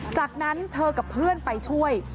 จากนั้นเธอกับเพื่อนไปช่วย